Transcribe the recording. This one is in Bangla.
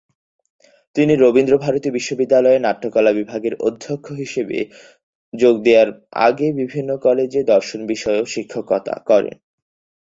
তিনি রবীন্দ্রভারতী বিশ্ববিদ্যালয়ে নাট্যকলা বিভাগের অধ্যক্ষ হিসেবে যোগ দেওয়ার আগে বিভিন্ন কলেজে দর্শন বিষয়েও শিক্ষকতা করেন।